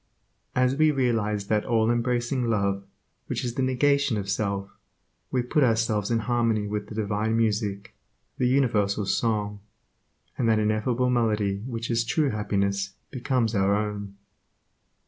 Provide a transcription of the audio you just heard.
As we realize that all embracing love which is the negation of self, we put ourselves in harmony with the divine music, the universal song, and that ineffable melody which is true happiness becomes our own.